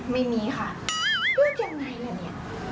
ไม่มีค่ะเลือกยังไงล่ะเนี่ย